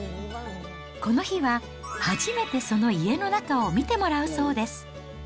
この日は初めてその家の中を見てもらうそうです。